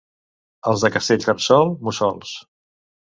Els de Castellterçol, mussols.